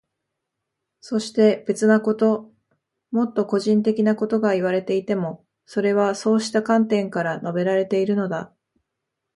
そして、別なこと、もっと個人的なことがいわれていても、それはそうした観点から述べられているのだ。